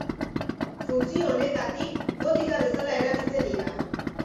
Funtzio honengatik botika bezala erabiltzen dira.